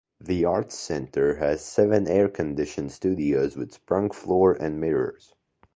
The Arts Centre has seven air conditioned studios with sprung floor and mirrors.